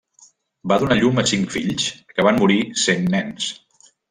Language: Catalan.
Va donar a llum cinc fills que van morir sent nens.